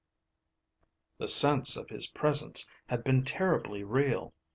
The sense of his presence had been terribly real.